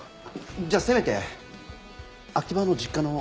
じゃあせめて秋葉の実家の家宅捜索を。